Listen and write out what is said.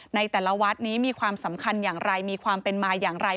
ในแต่ละวัดนี้มีความสำคัญอย่างไรมีความเป็นมาอย่างไร